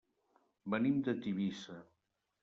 Venim de Tivissa.